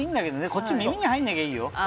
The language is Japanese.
こっちの耳に入らなきゃいいよ。